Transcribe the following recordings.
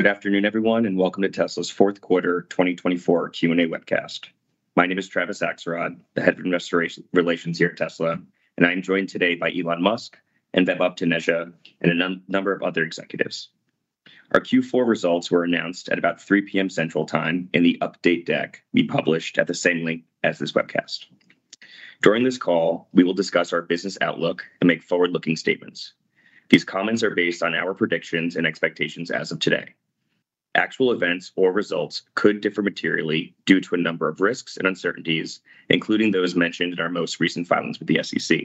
Good afternoon everyone and welcome to Tesla's fourth quarter 2024 Q&A webcast. My name is Travis Axelrod, the head of investor relations here at Tesla, and I am joined today by Elon Musk, Vaibhav Taneja and a number of other executives. Our Q4 results were announced at about 3:00 P.M. Central Time and the update deck we published at the same time as this webcast. During this call we will discuss our business outlook and make forward-looking statements. These comments are based on our predictions and expectations. As of today, actual events or results could differ materially due to a number of risks and uncertainties, including those mentioned in our most recent filings with the SEC.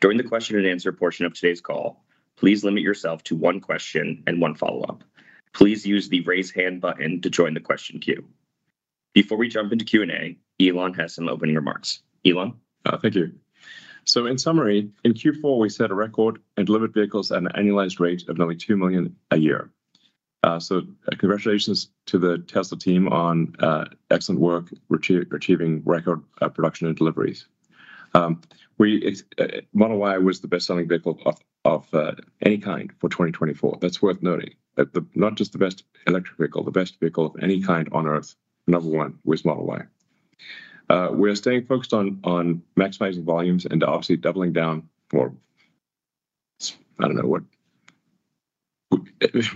During the question and answer portion of today's call, please limit yourself to one question and one follow up. Please use the raise hand button to join the question queue. Before we jump into Q and A, Elon has some opening remarks. Elon, thank you. So in summary, in Q4 we set a record and delivered vehicles at an annualized rate of nearly two million a year. So congratulations to the Tesla team on excellent work achieving record production and deliveries. Model Y was the best selling vehicle of any kind for 2024. That's worth noting. Not just the best electric vehicle, the best vehicle of any kind on Earth. Number one with Model Y, we are staying focused on maximizing volumes and obviously doubling down or I don't know what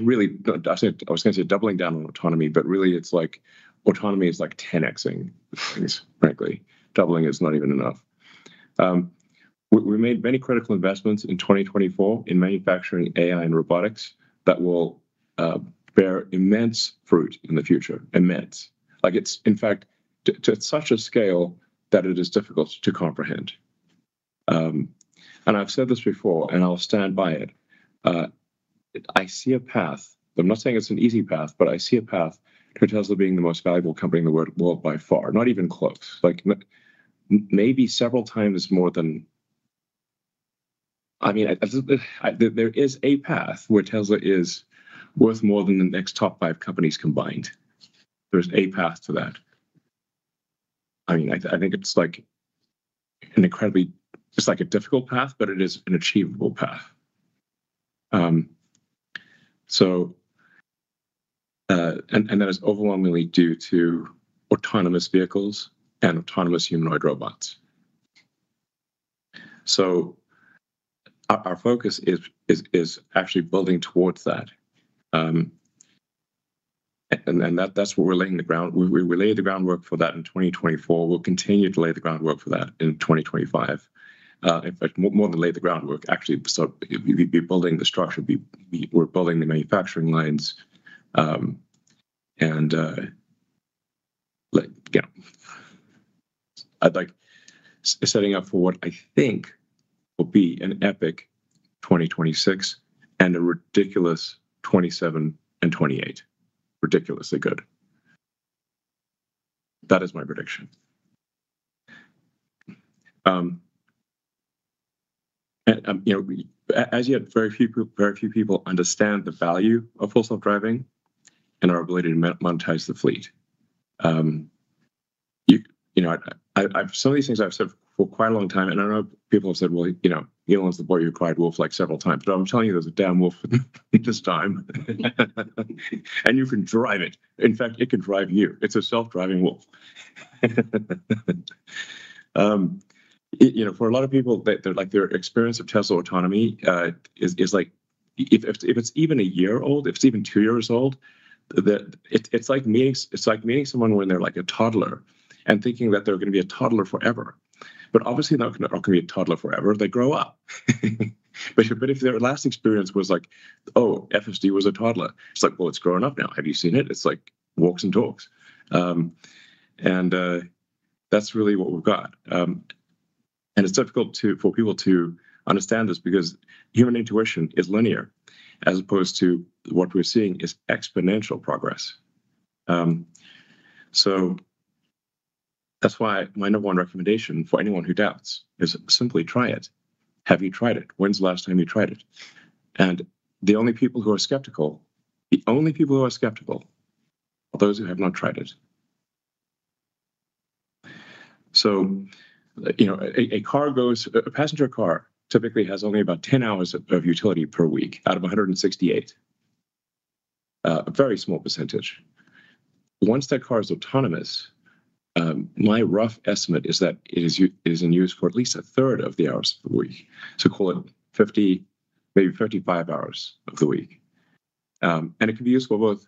really. I was going to say doubling down on autonomy, but really it's like autonomy is like 10xing. Frankly, doubling is not even enough. We made many critical investments in 2024 in manufacturing, AI and robotics that will bear immense fruit in the future. Immense. Like it's in fact to such a scale that it is difficult to comprehend. I've said this before and I'll stand by it. I see a path. I'm not saying it's an easy path, but I see a path to Tesla being the most valuable company in the world by far. Not even close, like maybe several times more than. I mean there is a path where Tesla is worth more than the next top five companies combined. There's a path to that. I mean, I think it's like an incredibly, just like a difficult path, but it is an achievable path. That is overwhelmingly due to autonomous vehicles and autonomous humanoid robots. Our focus is actually building towards that. That's what we're laying the groundwork. We lay the groundwork for that in 2024. We'll continue to lay the groundwork for that in 2025 in fact, more than lay the groundwork actually. So, we're building the structure. We're building the manufacturing lines, and we're setting up for what I think will be an epic 2026 and a ridiculous 2027 and 2028. Ridiculously good. That is my prediction. As yet, very few people understand the value of Full Self-Driving and our ability to monetize the fleet. Some of these things I've said for quite a long time, and I know people have said, well, Elon's the boy who cried wolf, like several times, but I'm telling you, there's a damn wolf this time, and you can drive it. In fact, it can drive you. It's a self-driving wolf. For a lot of people, their experience of Tesla Autonomy is if it's even a year old, if it's even two years old, it's like meeting someone when they're like a toddler and thinking that they're going to be a toddler forever. But obviously they're not going to be a toddler forever. They grow up. But if their last experience was like, oh, FSD was a toddler. It's like, well, it's grown up now. Have you seen it? It's like walks and talks and that's really what we've got. And it's difficult to, for people to understand this because human intuition is linear as opposed to what we're seeing is exponential progress. So that's why my number one recommendation for anyone who doubts is simply try it. Have you tried it? When's the last time you tried it? The only people who are skeptical are those who have not tried it. So you know, a car goes. A passenger car typically has only about 10 hours of utility per week out of 168, a very small percentage once that car is autonomous. My rough estimate is that it is in use for at least a third of the hours of the week. So call it 50, maybe 35 hours of the week. And it can be used for both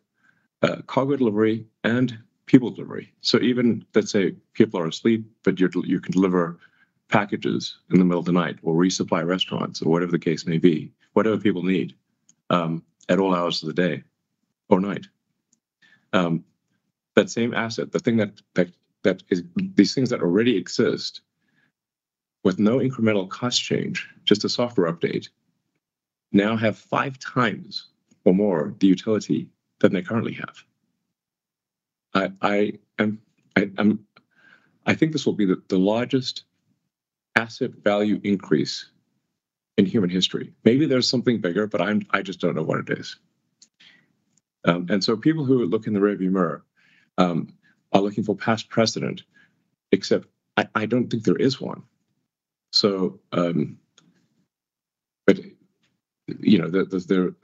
cargo delivery and people delivery. So even let's say people are asleep. But you can deliver packages in the middle of the night, or resupply restaurants or whatever the case may be, whatever people need at all hours of the day or night. That same asset, the thing that these things that already exist with no incremental cost change, just a software update now have five times or more the utility than they currently have. I think this will be the largest asset value increase in human history. Maybe there's something bigger, but I just don't know what it is. And so people who look in the rearview mirror are looking for past precedent, except I don't think there is one. So. But you know, the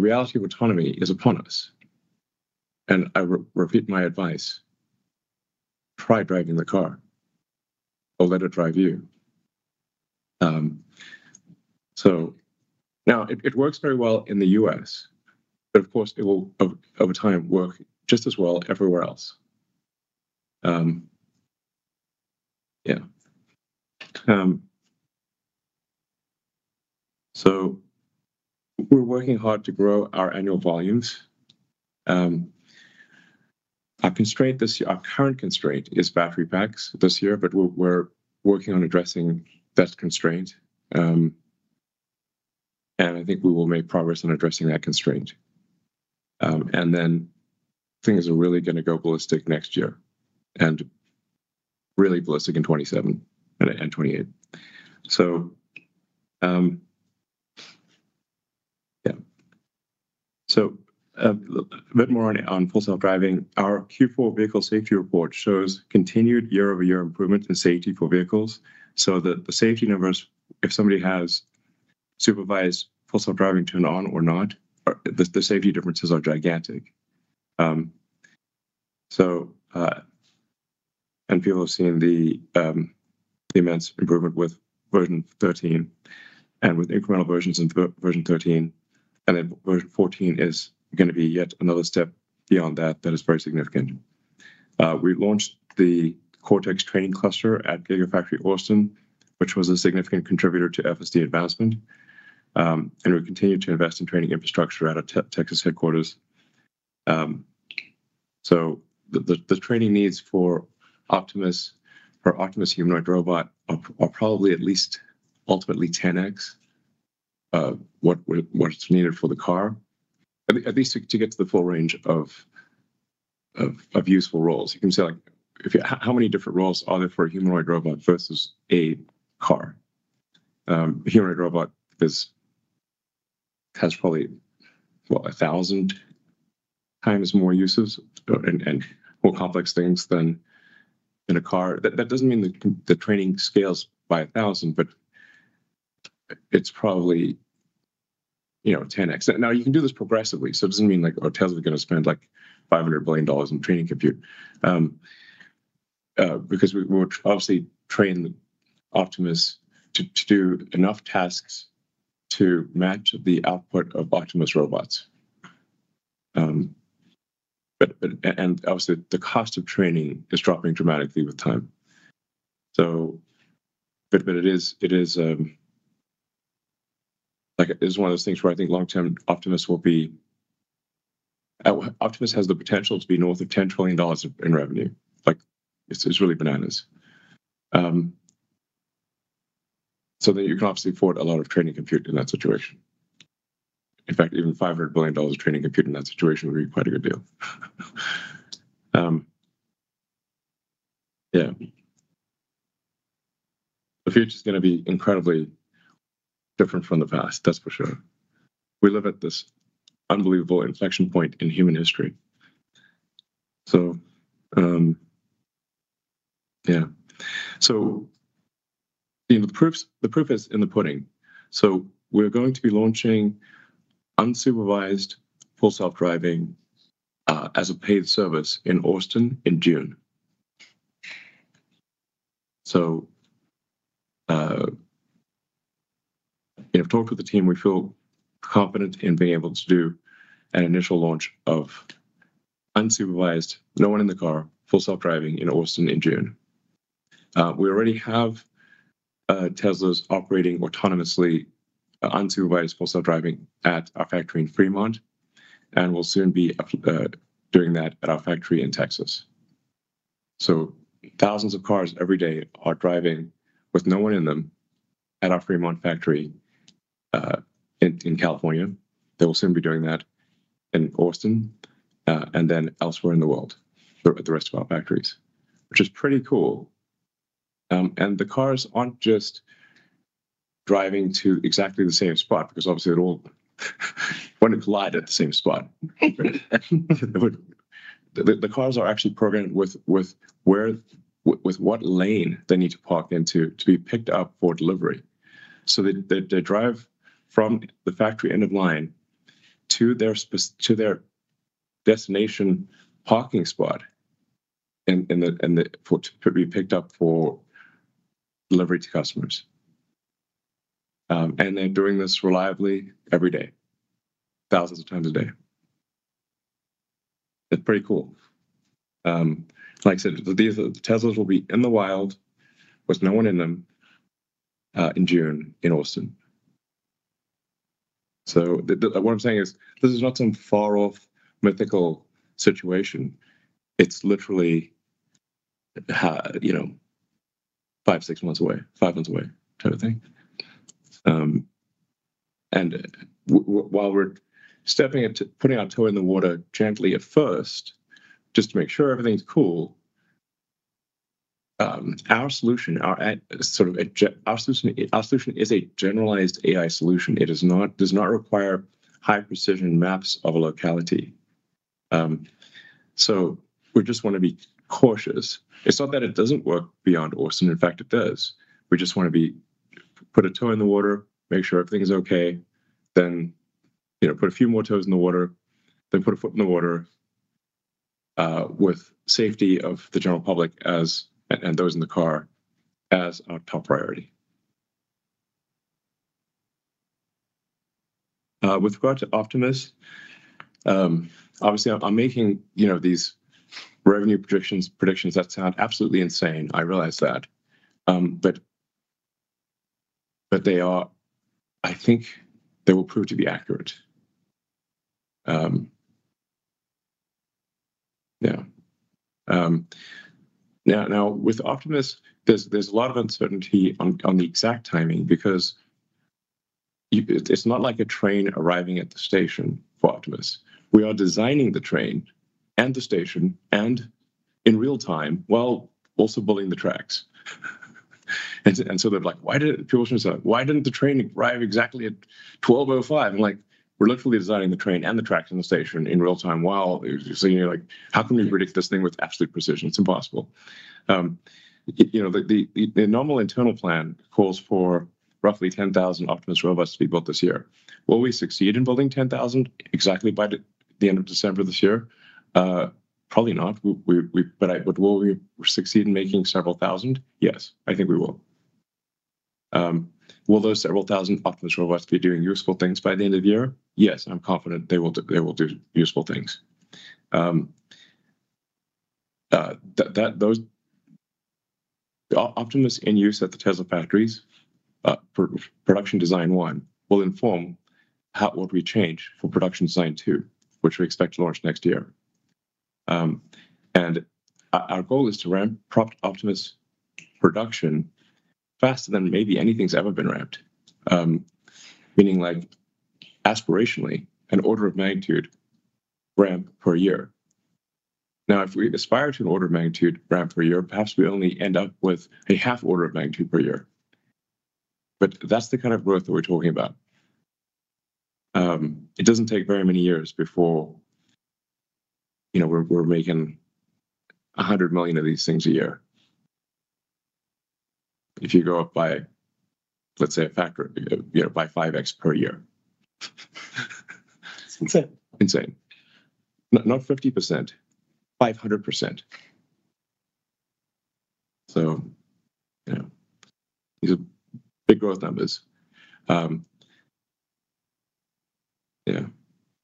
reality of autonomy is upon us. And I repeat my advice, try driving the car or let it drive you. So now it works very well in the U.S. but of course it will over time work just as well everywhere else. Yeah. We're working hard to grow our annual volumes. Our constraint this year, our current constraint is battery packs this year. But we're working on addressing that constraint and I think we will make progress on addressing that constraint and then things are really going to go ballistic next year and really ballistic in 2027 and 2028. So yeah. A bit more on Full Self-Driving. Our Q4 vehicle safety report shows continued year-over-year improvements in safety for vehicles. So that the safety numbers if somebody has Supervised Full Self-Driving, turn on or not. The safety differences are gigantic. People have seen the immense improvement with version 13 and with incremental versions in version 13, and then version 14 is going to be yet another step beyond that. That is very significant. We launched the Cortex training cluster at Gigafactory Austin, which was a significant contributor to FSD advancement. We continue to invest in training infrastructure out of Texas headquarters. The training needs for Optimus, for Optimus humanoid robot, are probably at least ultimately 10x what's needed for the car, at least to get to the full range of useful roles. You can say like how many different roles are there for a humanoid robot versus a car? Humanoid robot is, has probably a thousand times more uses and more complex things than in a car. That doesn't mean the training scales by a thousand, but it's probably, you know, 10x now you can do this progressively. So it doesn't mean like our Tesla is going to spend like $500 billion in training compute. Because we obviously train Optimus to do enough tasks to match the output of Optimus robots. And obviously the cost of training is dropping dramatically with time. But it is like it is one of those things where I think long term Optimus will be. Optimus has the potential to be north of $10 trillion in revenue. Like it's really bananas. So that you can obviously afford a lot of training compute in that situation. In fact, even $500 billion training compute in that situation would be quite a good deal. Yeah, the future is going to be incredibly different from the past, that's for sure. We live at this unbelievable inflection point in human history. So yeah, so the proof is in the pudding. So we're going to be launching Unsupervised Full Self-Driving as a paid service in Austin in June. So you have talked with the team. We feel confident in being able to do an initial launch of Unsupervised no one in the car, Full Self-Driving in Austin in June. We already have Teslas operating autonomously unsupervised Full Self-Driving at our factory in Fremont and will soon be doing that at our factory in Texas. So thousands of cars every day are driving with no one in them. At our Fremont factory in California, they will soon be doing that in Austin and then elsewhere in the world at the rest of our factories, which is pretty cool. The cars aren't just driving to exactly the same spot because obviously they'd all collide at the same spot. The cars are actually programmed with what lane they need to park into to be picked up for delivery. So they drive from the factory end of line to their destination parking spot to be picked up for delivery to customers. And they're doing this reliably every day, thousands of times a day. It's pretty cool. Like I said, these Teslas will be in the wild with no one in them in June in Austin. So what I'm saying is this is not some far off, mythical situation. It's literally, you know, five, six months away, five months away type of thing. And while we're stepping into putting our toe in the water gently at first, just to make sure everything's cool, our solution, our sort of. Our solution is a generalized AI solution. It does not require high precision maps of a locality. So we just want to be cautious. It's not that it doesn't work beyond Austin. In fact, it does. We just want to put a toe in the water, make sure everything is okay, then, you know, put a few more toes in the water, then put a foot in the water with safety of the general public as well as those in the car as our top priority. With regard to Optimus, obviously I'm making these revenue predictions, predictions that sound absolutely insane, I realize that, but they are. I think they will prove to be accurate. Now with Optimus, there's a lot of uncertainty on the exact timing because it's not like a train arriving at the station. For Optimus, we are designing the train and the station and in real time while also building the tracks. And so they're like, why did people say, why didn't the train arrive exactly at 12:05? And like, we're literally designing the train and the tracks in the station in real time. While how can we predict this thing with absolute precision? It's impossible. You know, the normal internal plan calls for roughly 10,000 Optimus robots to be built this year. Will we succeed in building 10,000 exactly by the end of December this year? Probably not. But will we succeed in making several thousand? Yes, I think we will. Will those several thousand Optimus robots be doing useful things by the end of the year? Yes, I'm confident they will do useful things. That the Optimus in use at the Tesla factories for production design one will inform what we change for production design two, which we expect to launch next year. And our goal is to ramp up Optimus production faster than maybe anything's ever been ramped, meaning like aspirationally, an order of magnitude ramp per year. Now if we aspire to an order of magnitude ramp per year, perhaps we only end up with a half order of magnitude per year. But that's the kind of growth that we're talking about. It doesn't take very many years before you know we're making 100 million of these things a year. If you go up by, let's say a factor, you know, by 5x per year. Insane. Not 50%, 500%. So, you know, these are big growth numbers. Yeah.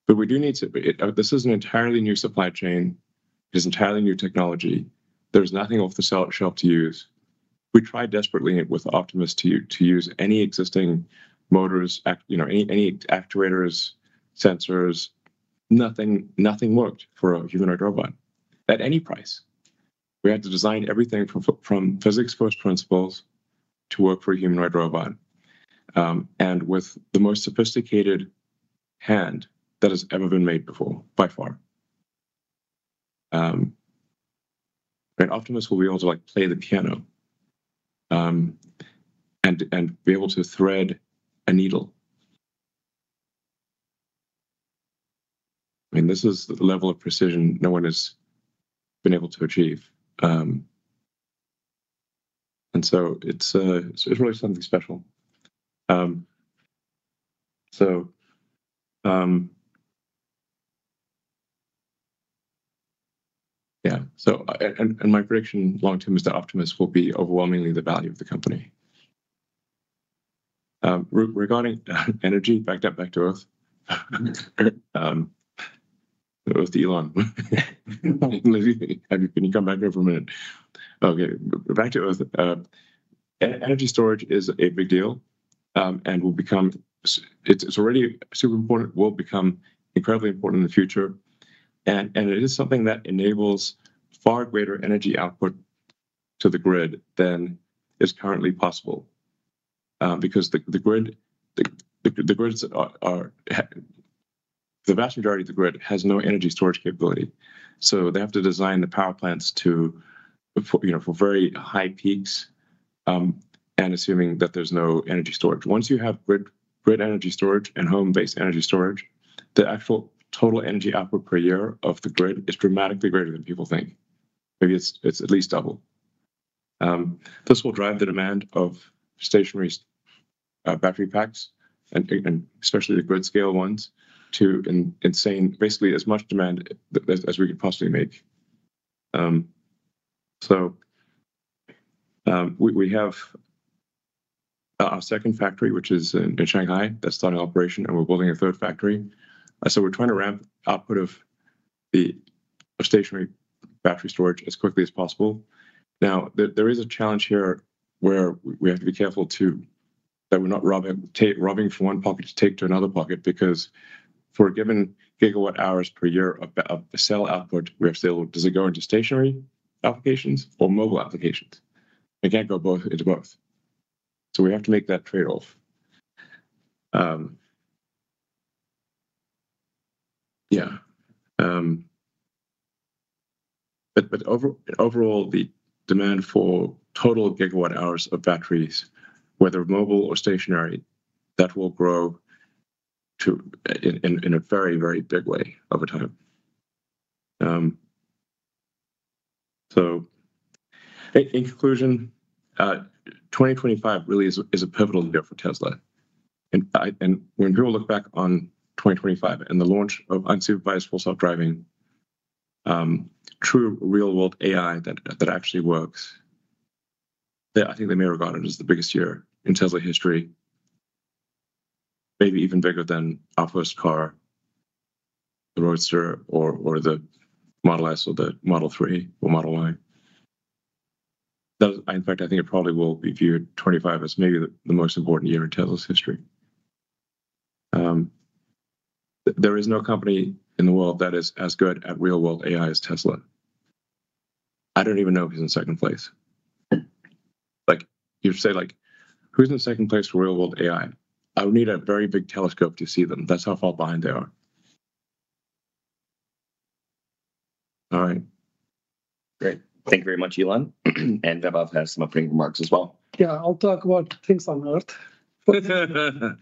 But this is an entirely new supply chain, an entirely new technology. There's nothing off the shelf to use. We tried desperately with Optimus to use any existing motors, you know, any actuators, sensors, nothing worked for a humanoid robot at any price. We had to design everything from physics first principles to work for a humanoid robot. And with the most sophisticated hand that has ever been made before by far, Optimus will be able to play the piano and be able to thread a needle. This is the level of precision no one has been able to achieve. And so it's really something special. So yeah, so and my prediction long term is that Optimus will be overwhelmingly the value of the company regarding energy, back to Earth. Elon, can you come back here for a minute? Okay, back to Earth. Energy storage is a big deal and will become. It's already super important, will become incredibly important in the future. And it is something that enables far greater energy output to the grid than is currently possible. Because the grid, the vast majority of the grid, has no energy storage capability. So they have to design the power plants to, you know, for very high peaks. And assuming that there's no energy storage, once you have grid energy storage and home based energy storage, the actual total energy output per year of the grid is dramatically greater than people think. Maybe it's, it's at least double. This will drive the demand of stationary battery packs and especially the grid scale ones to insane. Basically as much demand as we could possibly make. So we have our second factory, which is in Shanghai that's starting operation and we're building a third factory. So we're trying to ramp output of the stationary battery storage as quickly as possible. Now there is a challenge here where we have to be careful too that we're not robbing from one pocket to take to another pocket. Because for a given gigawatt hours per year of cell output we have still. Does it go into stationary applications or mobile applications? It can't go both into both. So we have to make that trade off. Yeah, but overall, the demand for total gigawatt hours of batteries, whether mobile or stationary, that will grow in a very, very big way over time. So in conclusion, 2025 really is a pivotal year for Tesla. When people look back on 2025 and the launch of unsupervised Full Self-Driving, true real world AI that actually works, I think they may regard it as the biggest year in Tesla history. Maybe even bigger than our first car, the Roadster or the Model S or the Model 3 or Model Y. In fact, I think it probably will be viewed as maybe the most important year in Tesla's history. There is no company in the world that is as good at real world AI as Tesla. I don't even know who's in second place. You say who's in second place for real world AI. I would need a very big telescope to see them. That's how far behind they are. All right, great. Thank you very much, Elon, and Vaibhav has some opening remarks as well. Yeah, I'll talk about things on Earth.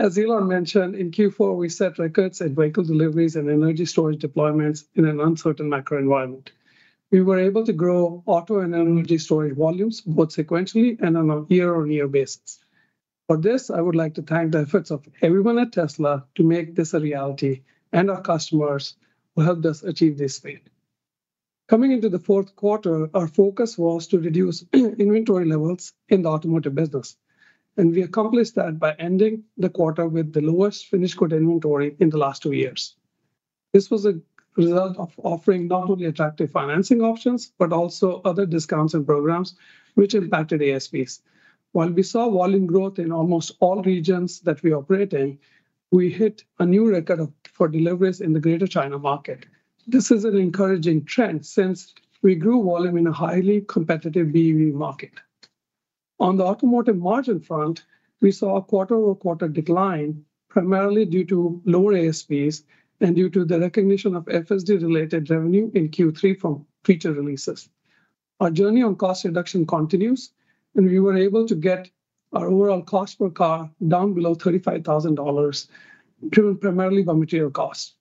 As Elon mentioned, in Q4, we set records in vehicle deliveries and energy storage deployments. In an uncertain macro environment, we were able to grow auto and energy storage volumes both sequentially and on a year on year basis. For this, I would like to thank the efforts of everyone at Tesla to make this a reality and our customers who helped us achieve this speed. Coming into the fourth quarter, our focus was to reduce inventory levels in the automotive business. We accomplished that by ending the quarter with the lowest finished good inventory in the last two years. This was a result of offering not only attractive financing options, but also other discounts and programs which impacted ASPs. While we saw volume growth in almost all regions that we operate in, we hit a new record for deliveries in the Greater China market. This is an encouraging trend since we grew volume in a highly competitive BEV market. On the automotive margin front, we saw a quarter over quarter decline, primarily due to lower ASPs and due to the recognition of FSD-related revenue in Q3 from feature releases. Our journey on cost reduction continues and we were able to get our overall cost per car down below $35,000 driven primarily by material costs.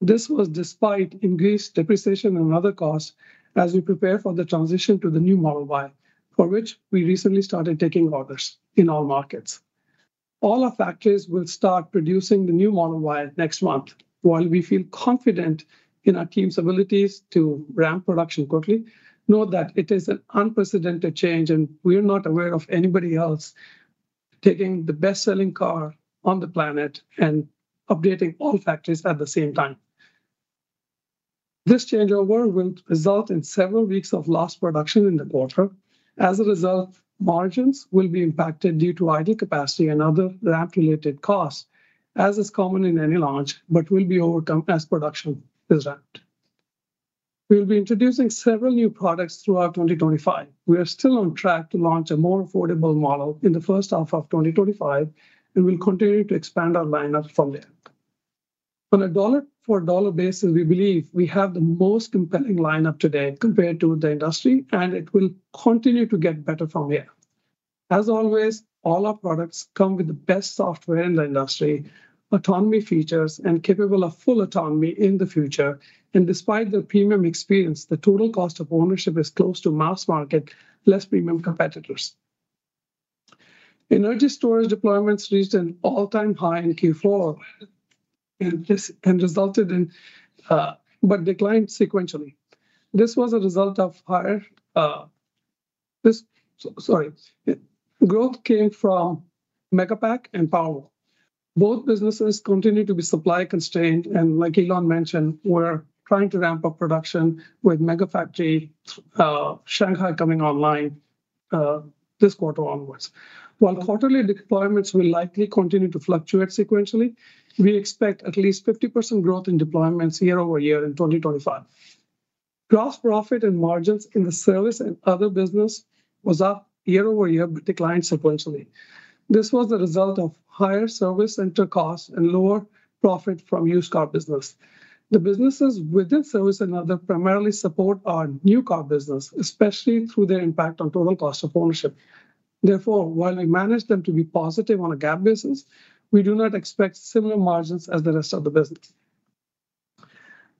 This was despite increased depreciation and other costs. As we prepare for the transition to the new Model Y for which we recently started taking orders in all markets, all our factories will start producing the new Model Y next month. While we feel confident in our team's abilities to ramp production quickly, know that it is an unprecedented change and we are not aware of anybody else taking the best selling car on the planet and updating all factories at the same time. This changeover will result in several weeks of lost production in the quarter. As a result, margins will be impacted due to idle capacity and other ramp related costs as is common in any launch, but will be overcome as production is ramped. We will be introducing several new products throughout 2025. We are still on track to launch a more affordable model in the first half of 2025 and we'll continue to expand our lineup from there. On a dollar for dollar basis, we believe we have the most compelling lineup today compared to the industry and it will continue to get better from here. As always, all our products come with the best software in the industry, autonomy features and capable of full autonomy in the future. Despite the premium experience, the total cost of ownership is close to mass market less premium competitors. Energy storage deployments reached an all-time high in Q4 and resulted in but declined sequentially. This was a result of higher growth came from Megapack and Powerwall. Both businesses continue to be supply constrained and like Elon mentioned, we're trying to ramp up production with Megafactory Shanghai coming online this quarter onwards. While quarterly deployments will likely continue to fluctuate sequentially, we expect at least 50% growth in deployments year-over- year in 2025. Gross profit and margins in the service and other business was up year-over- year but declined sequentially. This was a result of higher service center costs and lower profit from used car business. The businesses within service and other primarily support our new car business, especially through their impact on total cost of ownership. Therefore, while we manage them to be positive on a GAAP basis, we do not expect similar margins as the rest of the business.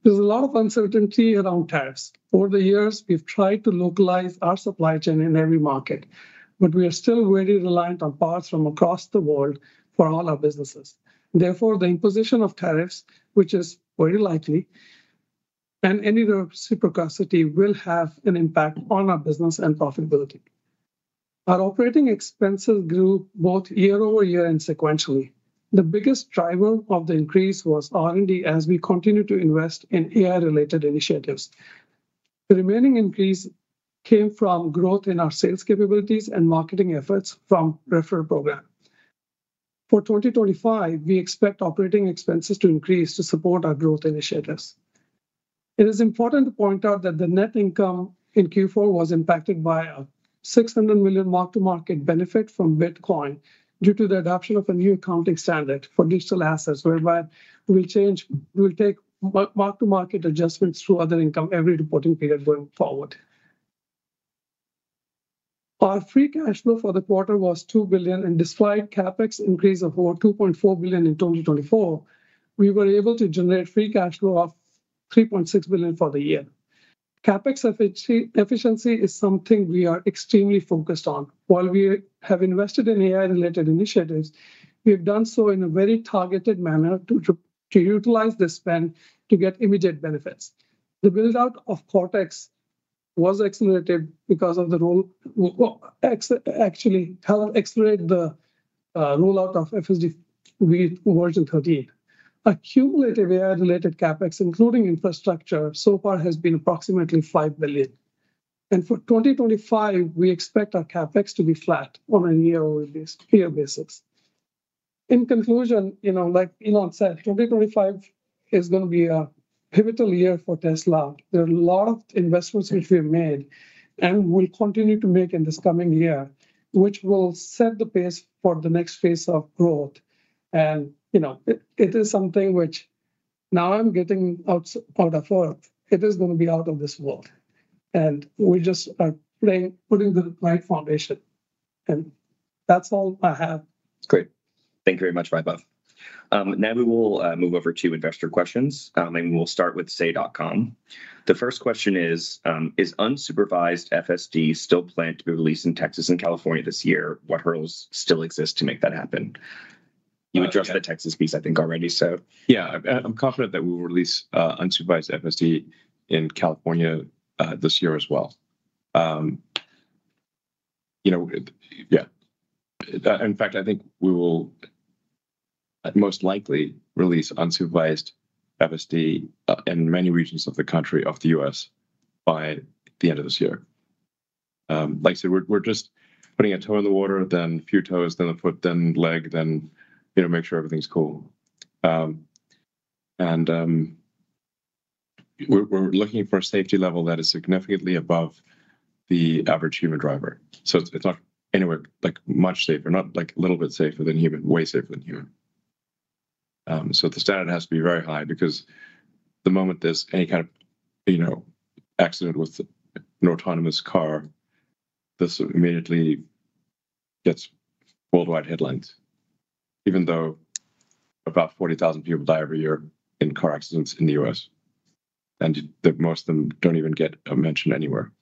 There's a lot of uncertainty around tariffs over the years. We've tried to localize our supply chain in every market, but we are still very reliant on parts from across the world for all our businesses. Therefore, the imposition of tariffs, which is very likely, and any reciprocity will have an impact on our business and profitability. Our operating expenses grew both year- over-year and sequentially. The biggest driver of the increase was R&D. As we continue to invest in AI-related initiatives. The remaining increase came from growth in our sales capabilities and marketing efforts from Referral program. For 2025 we expect operating expenses to increase to support our growth initiatives. It is important to point out that the net income in Q4 was impacted by a $600 million mark-to-market benefit from Bitcoin due to the adoption of a new accounting standard for digital assets whereby we will take mark-to-market adjustments through other income every reporting period going forward. Our free cash flow for the quarter was $2 billion and despite CapEx increase of over $2.4 billion in 2024, we were able to generate free cash flow of $3.6 billion for the year. CapEx efficiency is something we are extremely focused on. While we have invested in AI related initiatives, we've done so in a very targeted manner to utilize the spend to get immediate benefits. The build-out of Cortex was accelerated because of the goal to actually accelerate the rollout of FSD V13. Accumulated AI-related CapEx including infrastructure so far has been approximately $5 billion. For 2025 we expect our CapEx to be flat on a year-over-year basis. In conclusion, you know, like Elon said, 2025 is going to be a pivotal year for Tesla. There are a lot of investments which we've made and will continue to make in this coming year which will set the pace for the next phase of growth. You know, it is something which now I'm getting out of earth. It is going to be out of this world and we just are putting the right foundation and that's all I have. Great, thank you very much Vaibhav. Now we will move over to investor questions. Maybe we'll start with Say.com? The first question is, is unsupervised FSD still planned to be released in Texas and California this year? What hurdles still exist to make that happen? You addressed the Texas piece, I think. Already. So yeah, I'm confident that we will release Unsupervised FSD in California this year as well, you know. Yeah. In fact I think we will most likely release Unsupervised FSD in many regions of the country of the U.S. by the end of this year, like I said, we're just putting a toe in the water, then few toes, then the foot, then leg, then, you know, make sure everything's cool. And we're looking for a safety level that is significantly above the average human driver. So it's not anywhere like much safer. Not like a little bit safer than human. Way safer than human. So the standard has to be very high because the moment there's any kind of accident with an autonomous car, this immediately gets worldwide headlines. Even though about 40,000 people die every year in car accidents in the U.S. and most of them don't even get mentioned anywhere,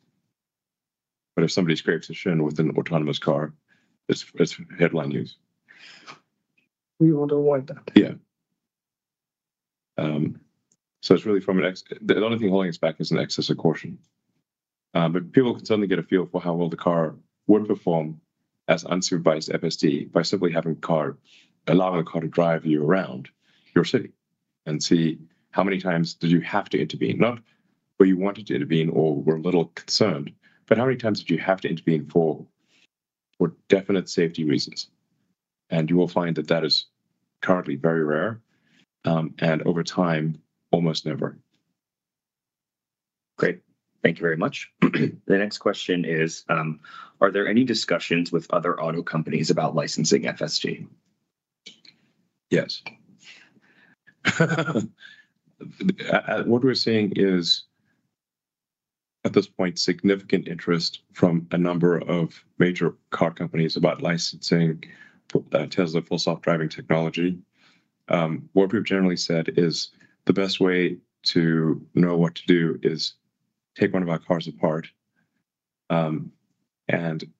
but if somebody scrapes a shin with an autonomous car, it's headline news. We want to avoid that. It's really an excess of caution. The only thing holding us back is an excess of caution. But people can certainly get a feel for how well the car would perform as unsupervised FSD by simply having the car drive you around your city and see how many times did you have to intervene? Not where you wanted to intervene or were a little concerned, but how many times did you have to intervene for definite safety reasons? You will find that is currently very rare and over time almost never. Great, thank you very much. The next question is, are there any discussions with other auto companies about licensing FSD? Yes. What we're seeing is at this point significant interest from a number of major car companies about licensing Tesla Full Self-Driving technology. What we've generally said is the best way to know what to do is take one of our cars apart and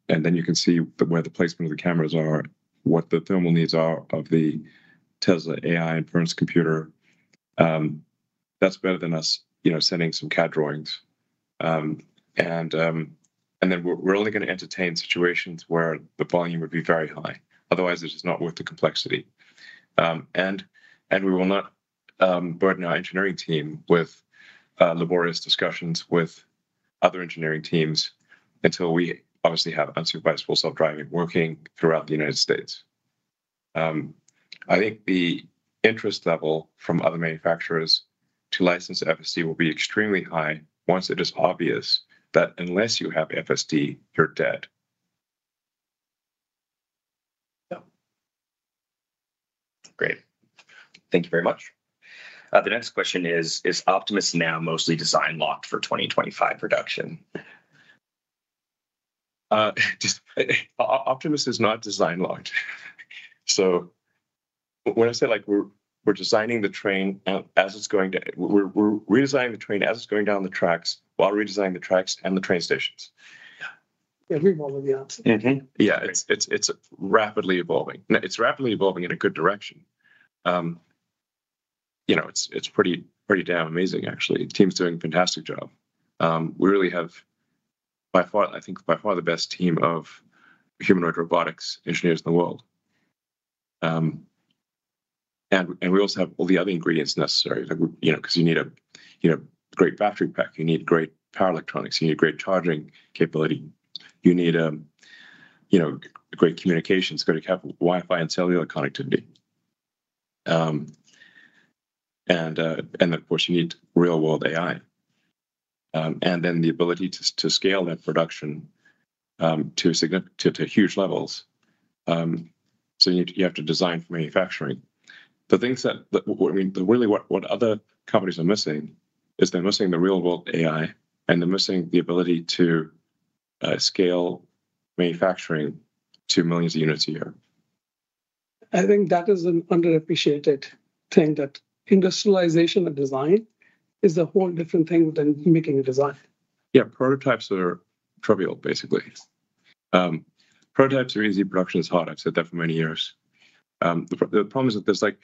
then you can see where the placement of the cameras are, what the thermal needs are of the Tesla AI inference computer. That's better than us sending some CAD drawings. And we will not burden our engineering team with laborious discussions with other engineering teams until we obviously have unsupervised Full Self-Driving working throughout the United States. I think the interest level from other manufacturers to license FSD will be extremely high once it is obvious that unless you have FSD, you're dead. Great, thank you very much. The next question is, is Optimus now mostly design locked for 2025 production? Optimus is not design locked. So when I say like we're designing the train as it's going down the tracks while redesigning the tracks and the train stations. Yeah, it's rapidly evolving. It's rapidly evolving in a good direction. It's pretty damn amazing actually. Team's doing a fantastic job. We really have I think by far the best team of humanoid robotics engineers in the world. And we also have all the other ingredients necessary because you need a, you know, great battery pack, you need great power electronics, you need great charging capability, you need, you know, great communications, good to have Wi-Fi and cellular connectivity and of course you need real world AI and then the ability to scale that production to significant to huge levels. So, you have to design for manufacturing the things that really, what other companies are missing is they're missing the real-world AI and they're missing the ability to scale manufacturing to millions of units a year. I think that is an underappreciated thing. That industrialization and design is a whole different thing than making a design. Yeah, prototypes are trivial basically. Prototypes are easy. Production is hard. I've said that for many years. The problem is that there's like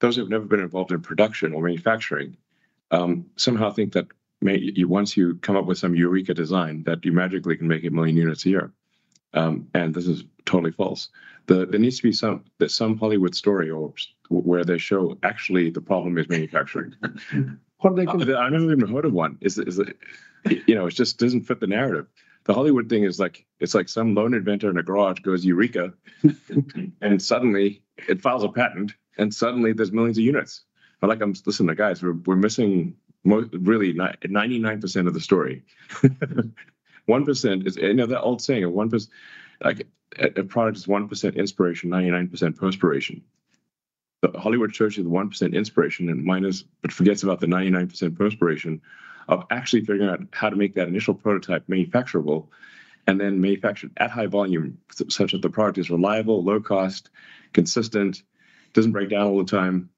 those who've never been involved in production or manufacturing somehow think that once you come up with some Eureka design that you magically can make a million units a year. And this is totally false. There needs to be some Hollywood story or where they show actually the problem is manufacturing. I never even heard of one. You know, it just doesn't fit the narrative. The Hollywood thing is like, it's like some lone inventor in a garage goes Eureka and suddenly it files a patent and suddenly there's millions of units. Like I'm listening to guys, we're missing really 99% of the story. 1% is another old saying. A product is 1% inspiration, 99% perspiration. Hollywood is 1% inspiration and minus. But forgets about the 99% perspiration of actually figuring out how to make that initial prototype manufacturable and then manufactured at high volume such that the product is reliable, low cost, consistent, doesn't break down all the time.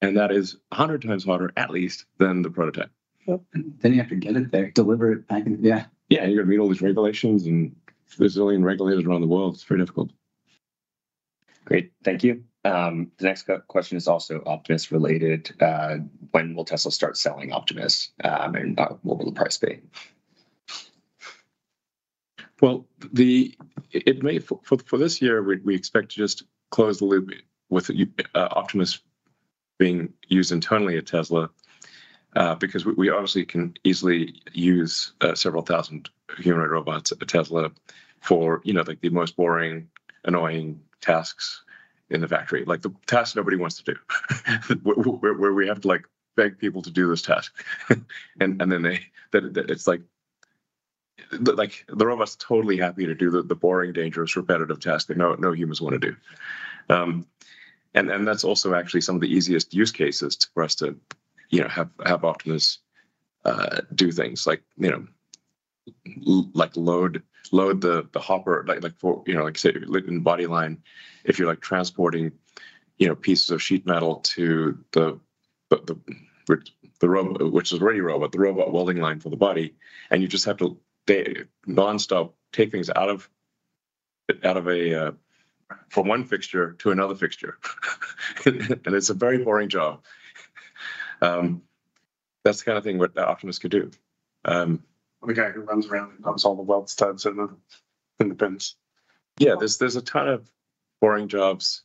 And that is 100 times harder at least than the prototype. Then you have to get it there, deliver it back. Yeah, yeah, you're going to read all these regulations and resilient regulators around the world. It's pretty difficult. Great, thank you. The next question is also Optimus related. When will Tesla start selling Optimus and? What will the price be? Well, it may for this year we expect to just close the loop with Optimus being used internally at Tesla. Because we obviously can easily use several thousand humanoid robots at Tesla for you know, like the most boring, annoying tasks in the factory. Like the task nobody wants to do where we have to like beg people to do this task and then it's like, the robot's totally happy to do the boring, dangerous, repetitive task that no humans want to do. And that's also actually some of the easiest use cases for us to you know, have Optimus do things like you know, like load the hopper like for you know, like say in body line. If you're like transporting, you know, pieces of sheet metal to the robot welding line for the body and you just have to nonstop take things out of one fixture to another fixture and it's a very boring job. That's the kind of thing that Optimus could do. The guy who runs around and dumps all the weld tips in the bins. Yeah. There's a ton of boring jobs,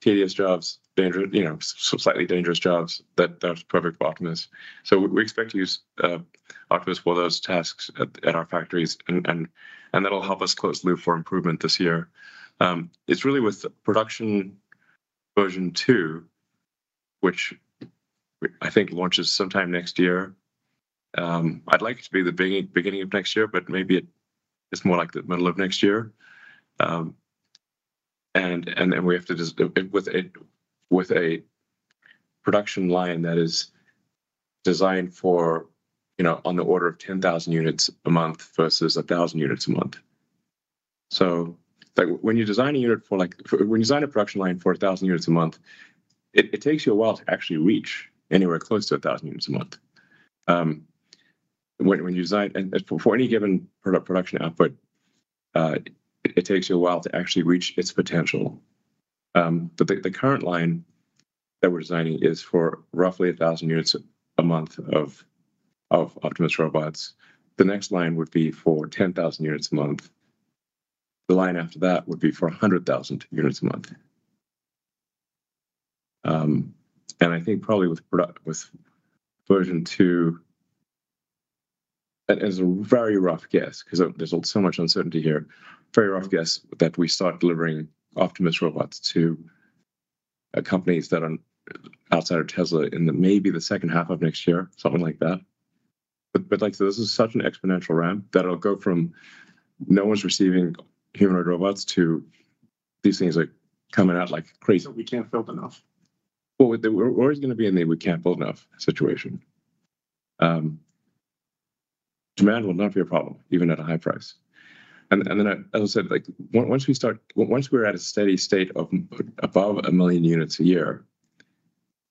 tedious jobs, dangerous, you know, slightly dangerous jobs that are perfect for Optimus. So we expect to use Optimus for those tasks at our factories and that'll help us close the loop for improvement. This year it's really with production version two, which I think launches sometime next year. I'd like it to be the beginning of next year, but maybe it's more like the middle of next year and we have to just with a production line that is designed for on the order of 10,000 units a month versus a thousand units a month. So when you design a production line for a thousand units a month, it takes you a while to actually reach anywhere close to a thousand units a month. When you design for any given production output, it takes you a while to actually reach its potential. But the current line that we're designing is for roughly a thousand units a month of Optimus robots. The next line would be for 10,000 units a month. The line after that would be for 100,000 units a month. And I think probably with product with version two is a very rough guess because there's so much uncertainty here. Very rough guess that we start delivering Optimus robots to companies that are outside of Tesla in the maybe the second half of next year, something like that. But like this is such an exponential ramp that it'll go from no one's receiving humanoid robots to these things are coming out like crazy. We can't build enough. We're always going to be in the we can't build enough situation. Demand will not be a problem even at a high price. Then as I said, like once we start, once we're at a steady state of above 1 million units a year,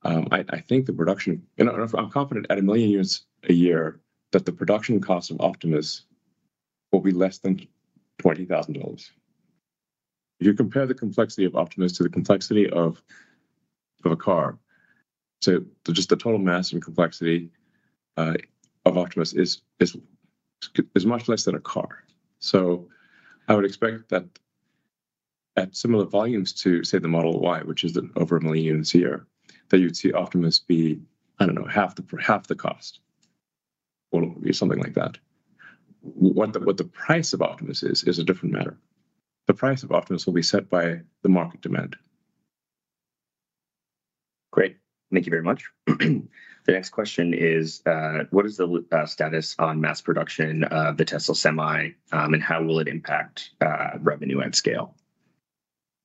I think the production. I'm confident at 1 million units a year that the production cost of Optimus will be less than $20,000. You compare the complexity of Optimus to the complexity of a car. So just the total mass and complexity of Optimus is much less than a car. So I would expect that at similar volumes to say the Model Y, which is over 1 million units here, that you'd see Optimus be, I don't know, half the cost or something like that. What the price of Optimus is is a different matter. The price of Optimus will be set by the market demand. Great, thank you very much. The next question is what is the status on mass production of the Tesla Semi and how will it impact revenue at scale?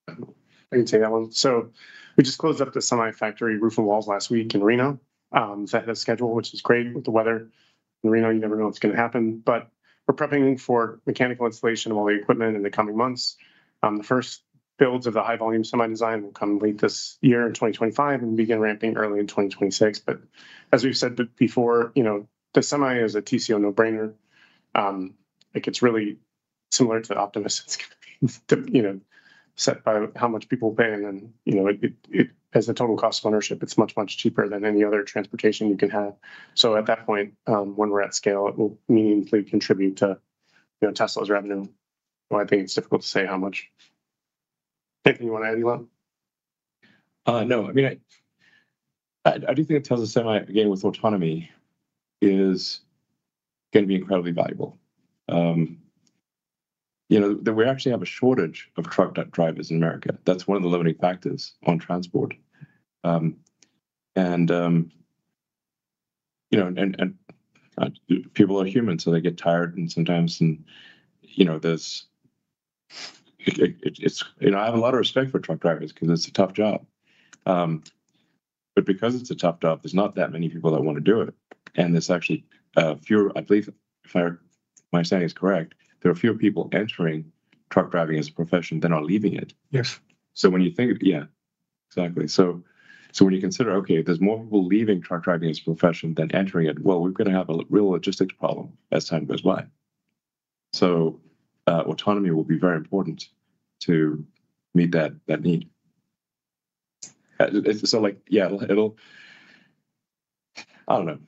I can say that one. So we just closed up the Semi factory roof and walls last week in Reno, on schedule, which is great with the weather, you never know what's going to happen. But we're prepping for mechanical installation of all the equipment in the coming months. The first builds of the high volume Semi design will come late this year in 2025 and begin ramping early in 2026. But as we've said before, you know, the Semi is a TCO no-brainer. Like it's really similar to Optimus, you know, set by how much people pay and then you know it as a total cost of ownership. It's much, much cheaper than any other transportation you can have. So at that point when we're at scale, it will meaningfully contribute to, you know, Tesla's revenue. I think it's difficult to say how much. Anything you want to add, Elon? No, I mean, I do think that Tesla Semi, again with autonomy, is going to be incredibly valuable. You know that we actually have a shortage of truck drivers in America. That's one of the limiting factors on transport. And. You know, and people are human, so they get tired and sometimes, and you know, there's, it's, you know, I have a lot of respect for truck drivers because it's a tough job, but because it's a tough job, there's not that many people that want to do it. And this actually fewer, I believe if my saying is correct, there are fewer people entering truck driving as a profession than are leaving it. Yes. So when you think. Yeah, exactly, so, so when you consider, okay, there's more people leaving truck driving as a profession than entering it. Well, we're going to have a real logistics problem as time goes by. So autonomy will be very important to meet that, that need. So like, yeah, it'll, I don't know,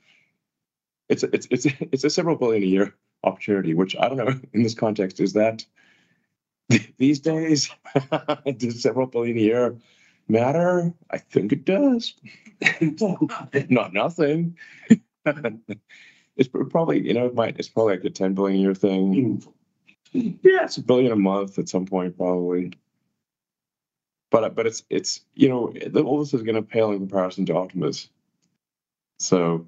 it's a several billion a year opportunity, which I don't know in this context is that these days. Does $several billion a year matter? I think it does not. Nothing. It's probably, you know, it's probably like a $10 billion year thing. Yeah, it's a $1 billion a month at some point, probably, but, but it's, it's, you know, all this is going to pale in comparison to Optimus. So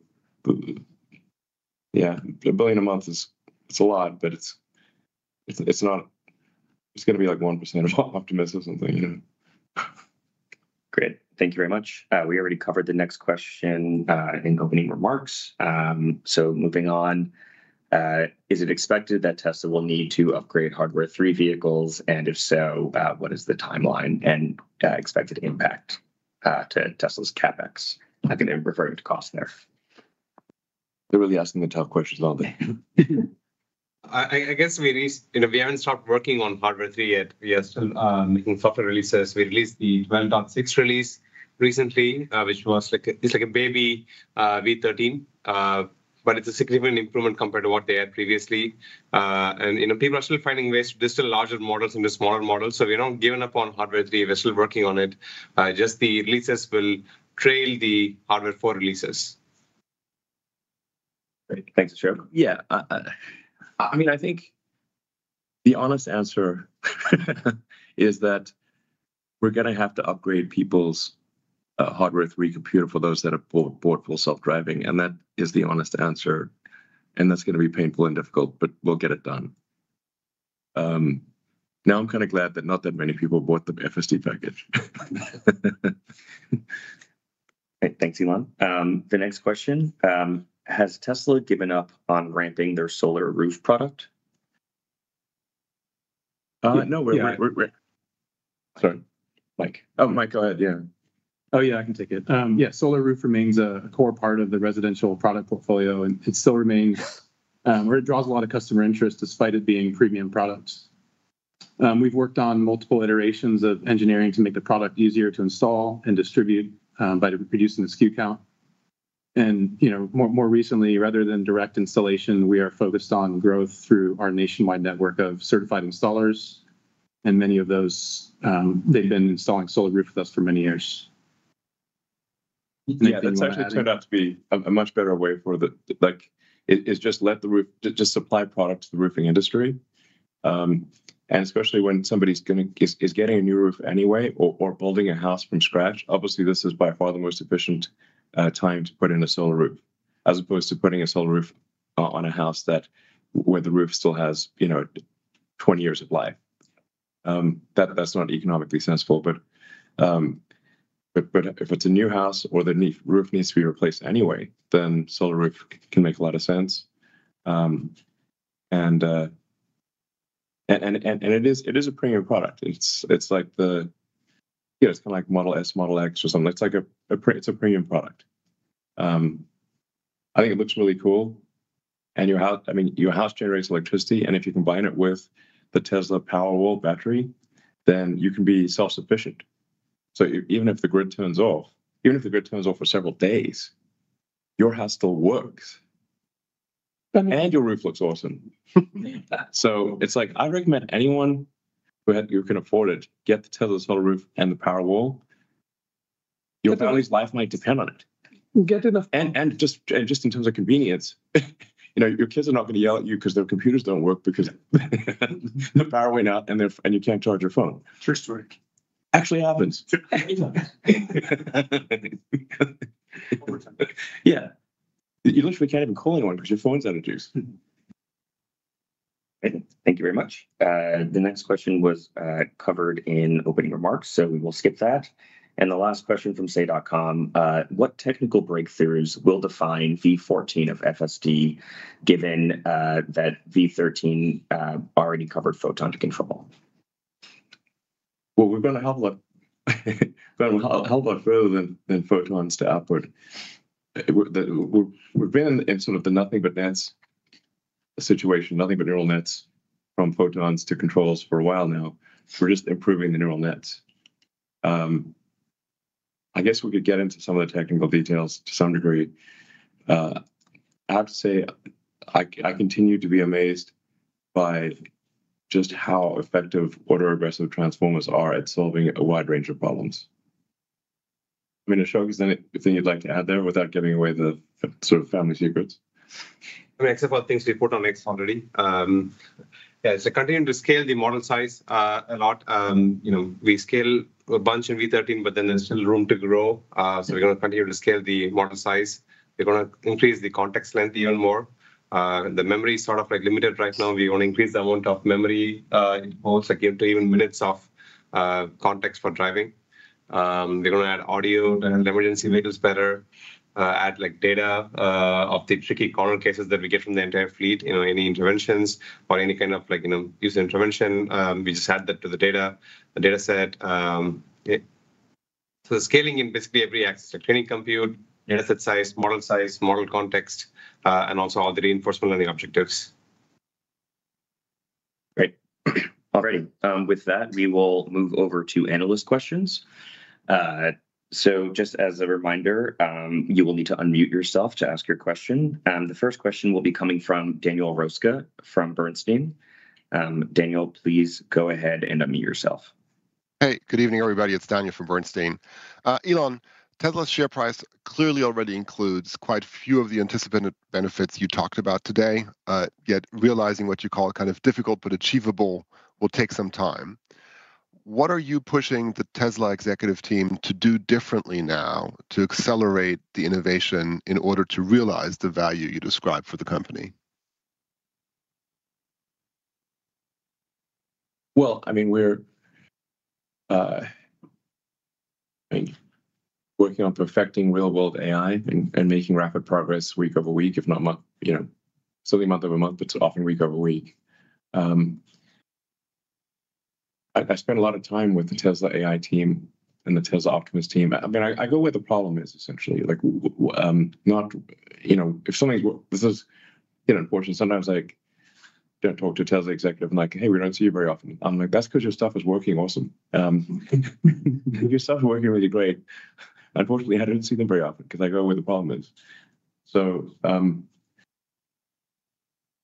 yeah, a $1 billion a month is, it's a lot, but it's, it's not, it's going to be like 1% of Optimus or something, you know. Great, thank you very much. We already covered the next question, I think. Opening remarks. So moving on. Is it expected that Tesla will need to upgrade Hardware 3 vehicles and if so, what is the timeline and the expected impact to Tesla's CapEx? I think they're referring to cost there. They're really asking the tough questions, aren't they? I guess we, you know, we haven't stopped working on Hardware 3 yet. We are still making software releases. We released the 12.6 release recently which was like, it's like a baby V13, but it's a significant improvement compared to what they had previously. You know, people are still finding. Ways to distill larger models into smaller models, so we're not giving up on Hardware 3. We're still working on it. Just the releases will trail the Hardware 4 releases. Thanks Ashok. Yeah, I mean, I think the honest answer is that we're going to have to upgrade people's Hardware 3 computer for those that are bought Full Self-Driving. And that is the honest answer and that's going to be painful and difficult, but we'll get it done. Now I'm kind of glad that not that many people bought the FSD package. Thanks Elon. The next question. Has Tesla given up on ramping their Solar Roof product? No. Sorry, Mike. Oh, Mike, go ahead. Yeah. Oh yeah, I can take it. Yeah. Solar Roof remains a core part of the residential product portfolio, and it still remains where it draws a lot of customer interest despite it being premium products. We've worked on multiple iterations of engineering to make the product easier to install and distribute by reducing the SKU count. And you know, more recently rather than direct installation, we are focused on growth through our nationwide network of certified installers. And many of those, they've been installing Solar Roof with us for many years. Yeah, that's actually turned out to be a much better way for the, like, is just let the roof supply product to the roofing industry, and especially when somebody's going to is getting a new roof anyway or building a house from scratch. Obviously this is by far the most efficient time to put in a Solar Roof as opposed to putting a Solar Roof on a house that, where the roof still has, you know, 20 years of life, that, that's not economically sensible. But if it's a new house or the roof needs to be replaced anyway, then Solar Roof can make a lot of sense, and it is a premium product. It's like the Model S, Model X or something. It's a premium product. I think it looks really cool. Your house generates electricity and if you combine it with the Tesla Powerwall battery, then you can be self sufficient. Even if the grid turns off, even if the grid turns off for several days, your house still works and your roof looks awesome. It's like I recommend anyone who can afford it get the Tesla Solar Roof and the Powerwall. Your family's life might depend on it. Just in terms of convenience, you know, your kids are not going to yell at you because their computers don't work because the power went out and you can't charge your phone. True story actually happens. Yeah, you literally can't even call anyone because your phone's out of juice. Thank you very much. The next question was covered in opening remarks, so we will skip that. And the last question from Say.com, what technical breakthroughs will define V14 of FSD given that V13 already covered photons to control? We've been a hell of a lot further than photons to controls. We've been in sort of the nothing but neural nets situation from photons to controls for a while now. We're just improving the neural nets. I guess we could get into some of the technical details to some degree. I have to say I continue to be amazed by just how effective autoregressive transformers are at solving a wide range of problems. Ashok, is there anything you'd like to add there without giving away the sort of family secrets except for things we. Posted on X already. So continuing to scale the model size a lot. We scale a bunch in V13, but then there's still room to grow. So we're going to continue to scale the model size, we're going to increase the context length even more. The memory is limited right now. We want to increase the amount of memory, even minutes of context for driving. We're going to add audio emergency vehicles. Better add data of the tricky corner cases that we get from the entire fleet. Any interventions or any user intervention, we just add that to the data, the data set. So scaling in basically every axis, training compute, data set size, model size, model context, and also all the reinforcement learning objectives. Great. All right, with that, we will move over to analyst questions. So just as a reminder, you will need to unmute yourself to ask your question. The first question will be coming from Daniel Roeska from Bernstein. Daniel, please go ahead and unmute yourself. Hey, good evening, everybody. It's Daniel from Bernstein. Elon. Tesla's share price clearly already includes quite a few of the anticipated benefits you talked about today. Yet realizing what you call kind of difficult but achievable will take some time. What are you pushing the Tesla executive team to do differently now to accelerate the innovation in order to realize the value you described for the company? I mean, we're working on perfecting real-world AI and making rapid progress week over week, if not month over month. You know, certainly month over month, but often week over week. I spent a lot of time with the Tesla AI team and the Tesla Optimus team. I mean, I go where the problem is, essentially. Like, not, you know, if something's, this is, you know. Unfortunately, sometimes, like, don't talk to a Tesla executive, like, hey, we don't see you very often. I'm like, that's because your stuff is working awesome. Your stuff is working really great. Unfortunately, I don't see them very often because I go where the problem is. So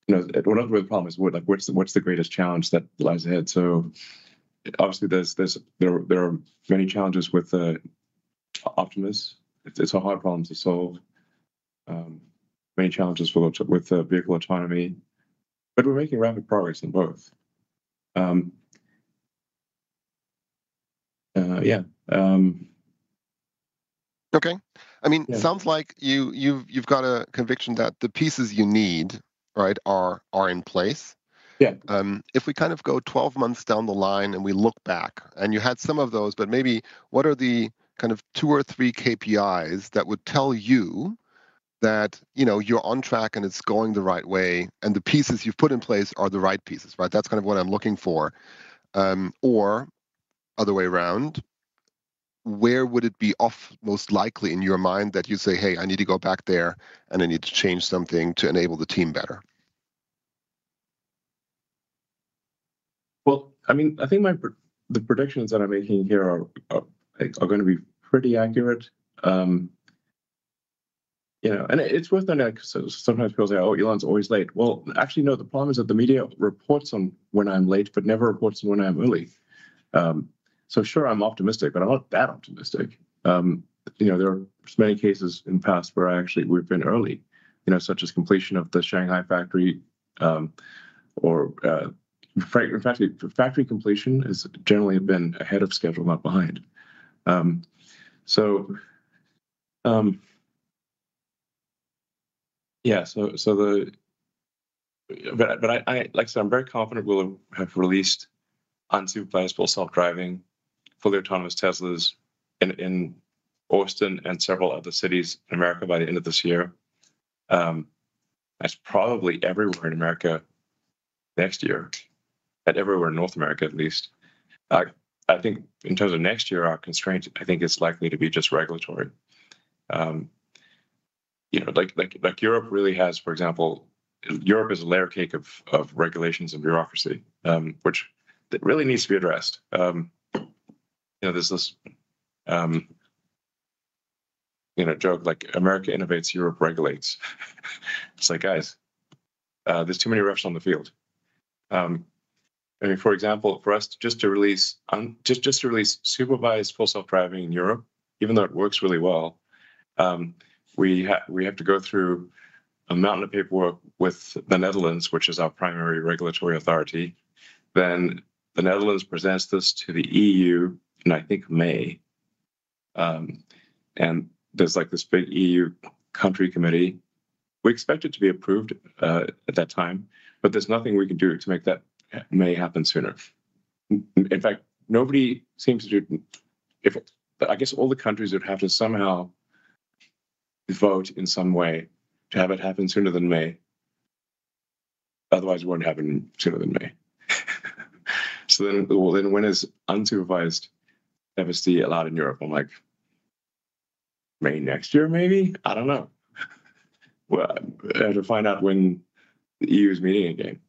you know where the problem is. Like, what's the greatest challenge that lies ahead? So obviously there are many challenges with Optimus. It's a hard problem to solve. Many challenges with vehicle autonomy, but we're making rapid progress in both. Yeah. Okay. I mean, sounds like you've got a conviction that the pieces you need are in place. If we kind of go 12 months down the line and we look back and you had some of those, but maybe what are the kind of two or three KPIs that would tell you that you're on track and it's going the right way and the pieces you've put in place are the right pieces. Right. That's kind of what I'm looking for. Or other way around, where would it be off most likely in your mind that you say, hey, I need to go back there and I need to change something to enable the team better. I mean, I think the predictions that I'm making here are going to be pretty accurate, and it's worth noting sometimes people say, oh, Elon's always late. Actually no, the problem is that the media reports on when I'm late, but never reports when I'm early. So sure, I'm optimistic, but I'm not that optimistic. There are many cases in the past where actually we've been early, you know, such as completion of the Shanghai factory or in factory completion is generally been ahead of schedule, not behind. Yeah, but like I said, I'm very confident we'll have released unsupervised Full Self-Driving, fully autonomous Teslas in Austin and several other cities in America by the end of this year. That's probably everywhere in America next year and everywhere in North America at least I think in terms of next year. Our constraints, I think it's likely to be just regulatory. Europe really has, for example, Europe is a layer cake of regulations and bureaucracy that really needs to be addressed. You know, there's this, you know, joke like America innovates, Europe regulates. It's like guys, there's too many refs on the field. I mean for example, for us just to release supervised Full Self-Driving in Europe, even though it works really well, we have to go through a mountain of paperwork with the Netherlands, which is our primary regulatory authority. Then the Netherlands presents this to the EU and I think, maybe, and there's like this big EU country committee. We expect it to be approved at that time, but there's nothing we can do to make that happen sooner. In fact, nobody seems to. I guess all the countries would have to somehow vote in some way to have it happen sooner than maybe otherwise it wouldn't happen sooner than me. So then when is Unsupervised FSD allowed in Europe? I'm like May next year maybe, I don't know. To find out when the EU is meeting